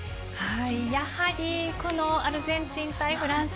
やはりこのアルゼンチン対フランス